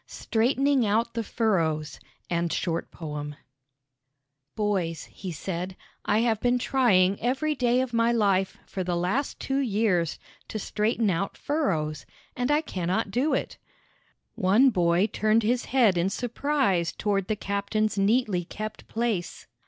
"STRAIGHTENING OUT THE FURROWS" "Boys," he said, "I have been trying every day of my life for the last two years to straighten out furrows, and I cannot do it." One boy turned his head in surprise toward the captain's neatly kept place.